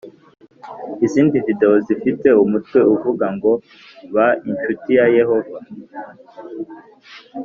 izindi videwo zifite umutwe uvuga ngo ba incuti ya yehova